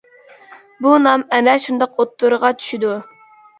بۇ نام ئەنە شۇنداق ئوتتۇرىغا چۈشىدۇ.